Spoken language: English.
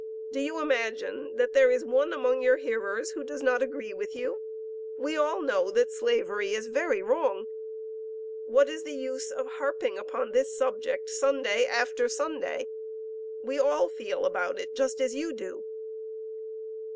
Do you imagine that there is one among your hearers who does not agree with you? We all know that Slavery is very wrong. What, is the use of harping upon this subject Sunday after Sunday? We all feel about it just as you do.'